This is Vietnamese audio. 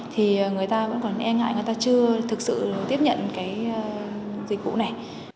thì người ta vẫn còn e ngại người ta chưa thực sự tiếp nhận cái dịch vụ này